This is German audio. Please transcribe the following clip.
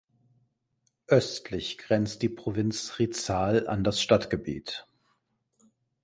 Östlich grenzt die Provinz Rizal an das Stadtgebiet.